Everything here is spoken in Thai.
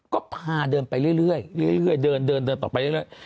ก็พาเดินไปเรื่อยเดินเดินต่อไปเรื่อย